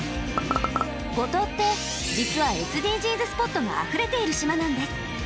五島って実はＳＤＧｓスポットがあふれている島なんです！